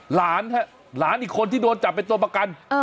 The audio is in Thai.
หลานครับหลานอีกคนที่โดนจับเป็นตัวประกัน